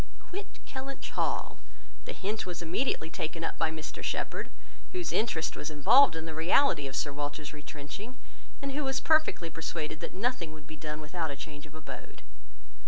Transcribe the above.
"Quit Kellynch Hall." The hint was immediately taken up by Mr Shepherd, whose interest was involved in the reality of Sir Walter's retrenching, and who was perfectly persuaded that nothing would be done without a change of abode.